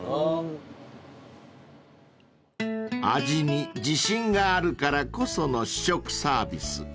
［味に自信があるからこその試食サービス］